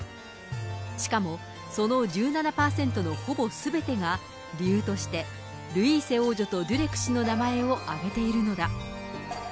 しかもその１７％のほぼすべてが、理由として、ルイーセ王女とデュレク氏の名前を挙げているのだ。